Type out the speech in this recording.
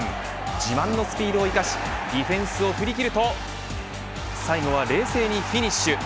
自慢のスピードを生かしディフェンスを振り切ると最後は冷静にフィニッシュ。